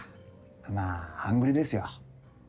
まあ半グレですよ。